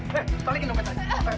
balikin dong ke sana